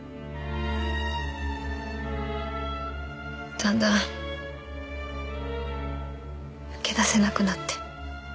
だんだん抜け出せなくなって。